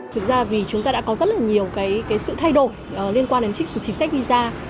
thực ra vì chúng ta đã có rất nhiều sự thay đổi liên quan đến chính sách visa